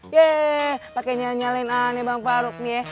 yeay pakenya nyalain aneh bang farug nih